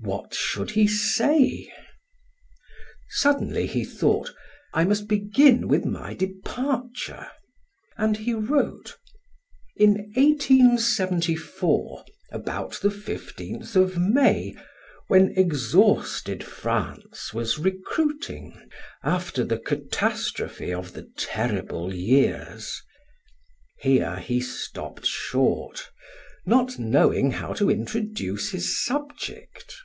What should he say? Suddenly he thought: "I must begin with my departure," and he wrote: "In 1874, about the fifteenth of May, when exhausted France was recruiting after the catastrophe of the terrible years " Here he stopped short, not knowing how to introduce his subject.